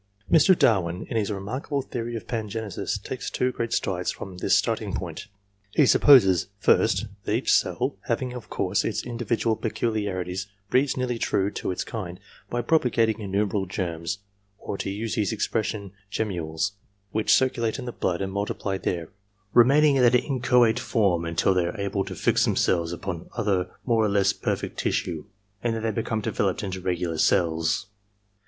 Mr. Darwin, in his remarkable theory of Pangenesis, takes two great strides from this starting point. He supposes, first that each cell, having of course its individual peculi arities, breeds nearly true to its kind, by propagating innumerable germs, or to use his expression, " gemmules," which circulate in the blood and multiply there ; remaining in that inchoate form until they are able to fix themselves upon other more or less perfect tissue, and then they become developed into regular cells.